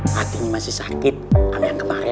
hatinya masih sakit sama yang kemarin